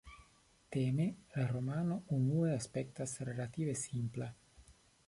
Teme, la romano unue aspektas relative simpla.